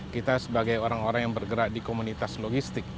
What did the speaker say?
kita sebagai orang orang yang bergerak di komunitas logistik